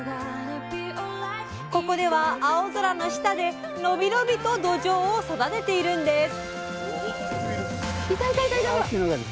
ここでは青空の下で伸び伸びとどじょうを育てているんです。